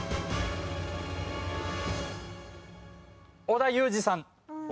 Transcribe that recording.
織田裕二さん